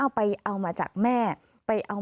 ฟังเสียงลูกจ้างรัฐตรเนธค่ะ